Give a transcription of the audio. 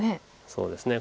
そうですね